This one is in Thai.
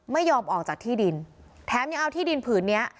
ไม่ยอมออกจากที่ดินแถมยังเอาที่ดินผืนเนี้ย